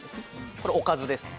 これおかずですね